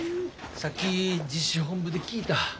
さっき実施本部で聞いた。